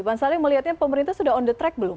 bansalya melihatnya pemerintah sudah on the track belum